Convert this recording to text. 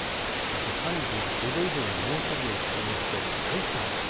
３５度以上の猛暑日を重ねますとさいたま、